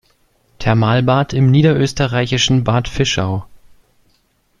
Thermalbad im niederösterreichischen Bad Fischau.